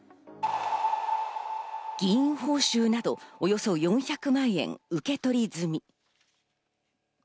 議員報酬などおよそ４００万円受け取り済み。